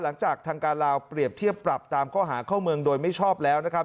หลังจากทางการลาวเปรียบเทียบปรับตามข้อหาเข้าเมืองโดยไม่ชอบแล้วนะครับ